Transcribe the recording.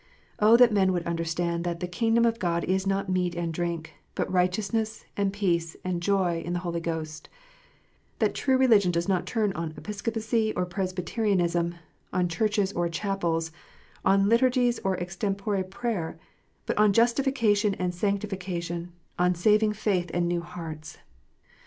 Oh, that men would understand that " the kingdom of God is not meat and drink, but righteousness, and peace, and joy in the Holy Ghost," that true religion does not turn on Episcopacy, or Presbyterianism, on churches or chapels, on liturgies or extempore prayer, but on justification and sancti fication, on saving faith, and new hearts